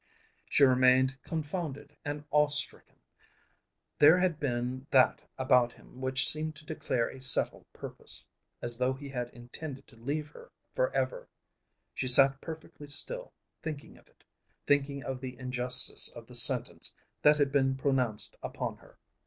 She remained confounded and awe stricken. There had been that about him which seemed to declare a settled purpose as though he had intended to leave her for ever. She sat perfectly still, thinking of it, thinking of the injustice of the sentence that had been pronounced upon her.